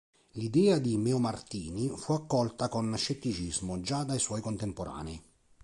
L'idea di Meomartini fu accolta con scetticismo già dai suoi contemporanei.